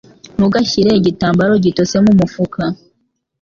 Ntugashyire igitambaro gitose mumufuka.